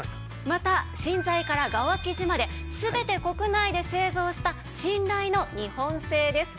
また芯材から側生地まで全て国内で製造した信頼の日本製です。